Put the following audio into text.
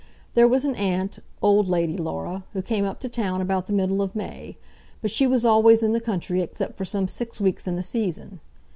There was an aunt, old Lady Laura, who came up to town about the middle of May; but she was always in the country except for some six weeks in the season.